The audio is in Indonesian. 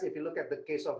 jika kita melihat kes eropa